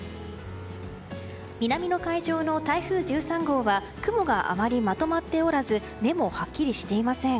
南の海上の台風１３号は雲があまりまとまっておらず目もはっきりしていません。